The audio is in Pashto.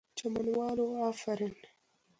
چمن والو آفرین!!